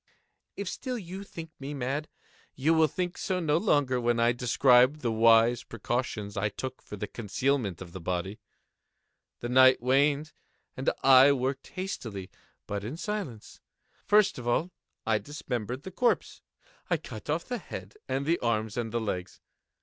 If still you think me mad, you will think so no longer when I describe the wise precautions I took for the concealment of the body. The night waned, and I worked hastily, but in silence. First of all I dismembered the corpse. I cut off the head and the arms and the legs.